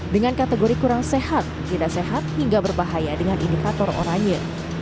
dengan kategori kurang sehat tidak sehat hingga berbahaya dengan indikator oranye